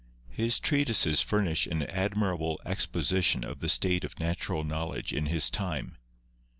His treatises furnish an admirable exposition of the state of natural knowledge in his time.